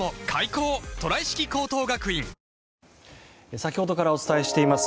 先ほどからお伝えしています